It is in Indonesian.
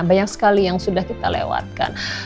banyak sekali yang sudah kita lewatkan